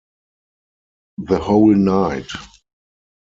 The whole night!